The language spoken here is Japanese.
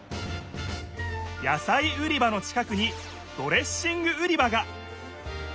野さい売り場の近くにドレッシング売り場が！